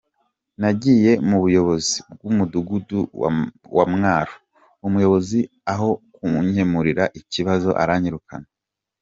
Nagiye mu buyobozi bw’Umudugudu wa Mwaro, umuyobozi aho kunkemurira ikibazo aranyirukana.